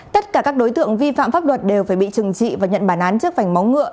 tất cả các đối tượng vi phạm pháp luật đều phải bị trừng trị và nhận bản án trước phản máu ngựa